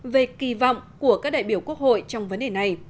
về kỳ vọng của các đại biểu quốc hội trong vấn đề này